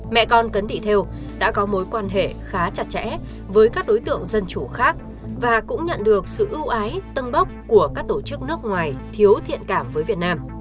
mẹ con cấn thị theo đã có mối quan hệ khá chặt chẽ với các đối tượng dân chủ khác và cũng nhận được sự ưu ái tân bốc của các tổ chức nước ngoài thiếu thiện cảm với việt nam